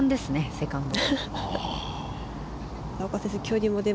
セカンド。